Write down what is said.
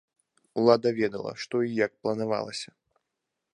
Улада ведала, што і як планавалася.